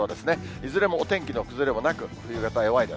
いずれもお天気の崩れもなく、冬型弱いです。